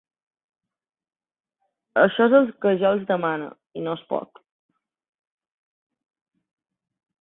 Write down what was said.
Això és el que jo els demane, i no és poc.